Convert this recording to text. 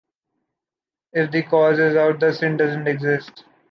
If the cause is out, the sin doesn’t exist.